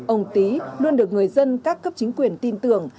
ông tý luôn được người dân các cấp chính quyền tin tưởng